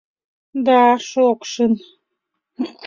Да шокшын